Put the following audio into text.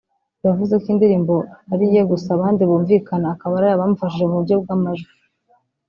yavuze ko indirimbo ariye gusa abandi bumvikana akaba ari abamufashije mu buryo bw'amajwi